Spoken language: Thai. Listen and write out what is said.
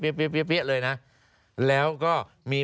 ว่าเหตุการณ์เนี่ยเป็นอย่างไรเรียงลำดับเป๊ะเลยนะ